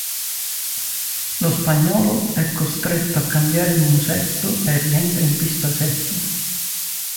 Lo spagnolo è costretto a cambiare il musetto e rientra in pista settimo.